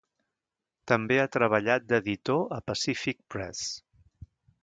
També ha treballat d'editor a Pacific Press.